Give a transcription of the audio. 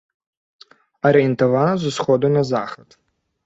Арыентавана з усходу на захад.